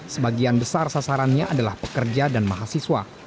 sebagian besar sasarannya adalah pekerja dan mahasiswa